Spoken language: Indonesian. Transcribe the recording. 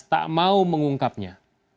tak mau mengungkapnya